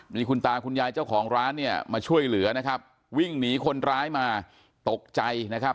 มีคุณตาคุณยายเจ้าของร้านเนี่ยมาช่วยเหลือนะครับวิ่งหนีคนร้ายมาตกใจนะครับ